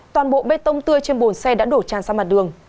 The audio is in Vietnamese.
toàn bộ bê tông tươi trên bồn xe đã đổ tràn ra mặt đường